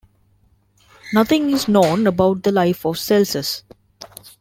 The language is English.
Nothing is known about the life of Celsus.